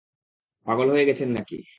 পাগলে হয়ে গেছেন নাকি?